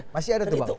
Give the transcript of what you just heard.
masih ada tuh pak